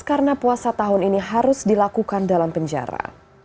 karena puasa tahun ini harus dilakukan dalam penjara